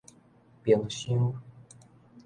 冰箱